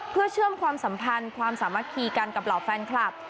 เพื่อเชื่อมความสัมพันธ์ความสามัคคีกันกับเหล่าแฟนคลับ